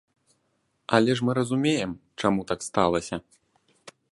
Але ж мы разумеем, чаму так сталася.